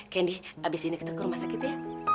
candy abis ini kita ke rumah sakit ya